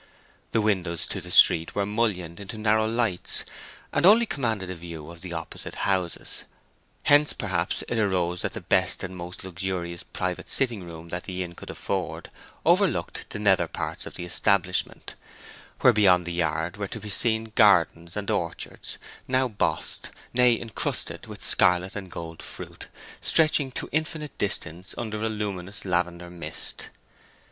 The windows to the street were mullioned into narrow lights, and only commanded a view of the opposite houses; hence, perhaps, it arose that the best and most luxurious private sitting room that the inn could afford over looked the nether parts of the establishment, where beyond the yard were to be seen gardens and orchards, now bossed, nay incrusted, with scarlet and gold fruit, stretching to infinite distance under a luminous lavender mist.